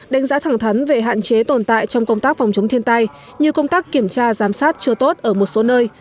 đánh giá thẳng thắn về hạn chế tồn tại trong công tác phòng chống thiên tai như công tác kiểm tra giám sát chưa tốt ở một số nơi